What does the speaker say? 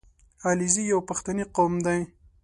• علیزي یو پښتني قوم دی.